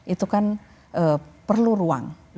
itu kan perlu ruang